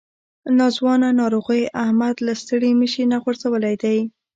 ناځوانه ناروغۍ احمد له ستړي مشي نه غورځولی دی.